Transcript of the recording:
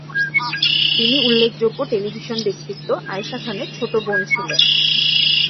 তিনি উল্লেখযোগ্য টেলিভিশন ব্যক্তিত্ব আয়েশা খানের ছোট বোন ছিলেন।